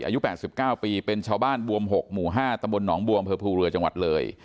อายุแปดสิบเก้าปีเป็นชาวบ้านบวมหกหมู่ห้าตำบลหนองบวมเพื่อภูเรือจังหวัดเลย